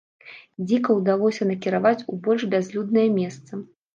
Дзіка ўдалося накіраваць у больш бязлюднае месца.